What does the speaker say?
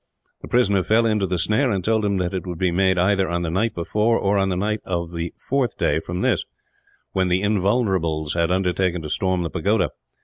The prisoner fell into the snare, and told him that it would be made either on the night before or on the night of the fourth day from this; when the Invulnerables had undertaken to storm the pagoda.